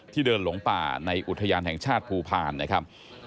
เดินหลงป่าในอุทยานแห่งชาติภูพาลนะครับ